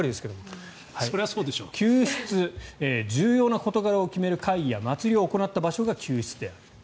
宮室、重要な事柄を決める会議や祭りを行った場所が宮室である。